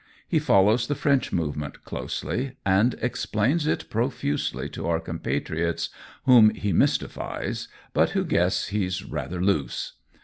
He follows the French movement closely and explains it profusely to our compatriots, whom he mystifies, but who guess he's rath er loose.